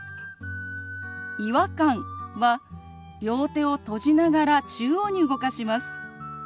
「違和感」は両手を閉じながら中央に動かします。